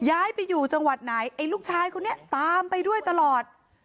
ย้ายไปอยู่จังหวัดไหนไอ้ลูกชายคนนี้ตามไปด้วยตลอด